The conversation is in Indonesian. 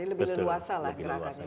lebih luas lah gerakannya